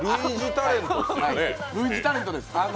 類似タレントですよね。